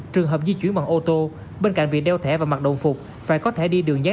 trường hợp di chuyển bằng ô tô bên cạnh việc đeo thẻ và mặc đồng phục phải có thẻ đi đường nhán